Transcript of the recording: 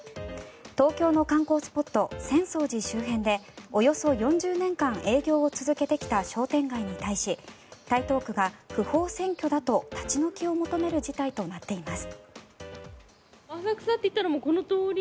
東京の観光スポット浅草寺周辺でおよそ４０年間営業を続けてきた商店街に対し台東区が不法占拠だと立ち退きを求める事態となっています。